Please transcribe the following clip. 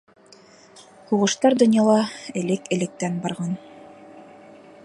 Һуғыштар донъяла элек-электән барған.